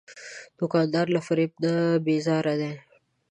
دوکاندار له فریب نه بیزاره دی.